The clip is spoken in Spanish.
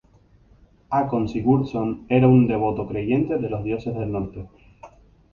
Håkon Sigurdsson era un devoto creyente de los dioses del norte.